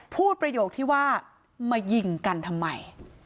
ประโยคที่ว่ามายิงกันทำไม